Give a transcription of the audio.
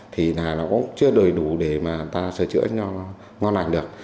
thì là nó cũng chưa đầy đủ để mà ta sửa chữa cho ngon lành được